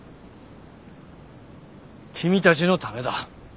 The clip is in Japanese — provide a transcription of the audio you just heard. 君たちのためだ。